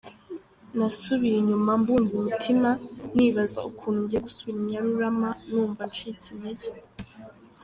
Nasubiye inyuma mbunza imitima nibaza ukuntu ngiye gusubira i Nyarurama numva ncitse intege.